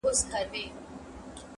هر يو سر يې هره خوا وهل زورونه،